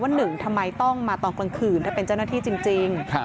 หนึ่งทำไมต้องมาตอนกลางคืนถ้าเป็นเจ้าหน้าที่จริง